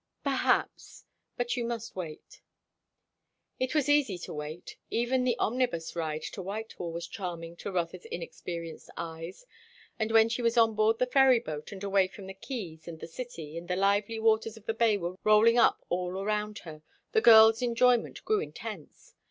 "Perhaps. But you must wait." It was easy to wait. Even the omnibus ride to Whitehall was charming to Rotha's inexperienced eyes; and when she was on board the ferry boat and away from the quays and the city, and the lively waters of the bay were rolling up all around her, the girl's enjoyment grew intense.